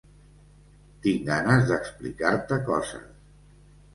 Tinc ganes d'explicar-te coses.